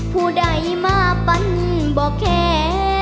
ผู้ใดมาปั่นบอกแค่